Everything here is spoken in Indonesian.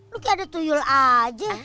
lo kaya ada tuyul aja